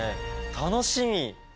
楽しみ！